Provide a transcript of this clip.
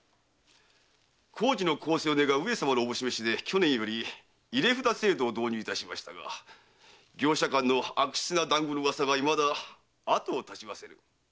工事の公正を願う上様のおぼしめしで去年より入れ札制度を導入いたしましたが業者間の悪質な談合の噂がいまだあとを絶ちません。